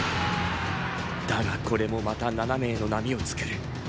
だがこれもまた斜めへの波を作る。